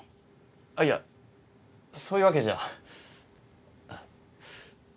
あっいやそういうわけじゃ。